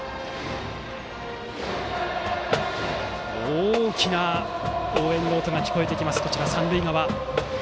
大きな応援の音が聞こえてきます、三塁側。